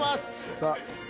さあ。